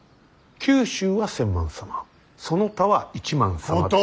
九州は千幡様その他は一幡様で。